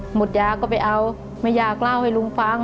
หมดยาก็ไปเอาแม่ยาเล่าให้ลุงฟัง